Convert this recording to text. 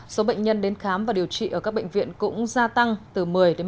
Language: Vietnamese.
số bệnh nhân đến khám và điều trị ở các bệnh viện cũng gia tăng từ một mươi một mươi